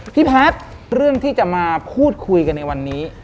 พี่พัฒน์เรื่องที่จะมาพูดคุยกันในวันนี้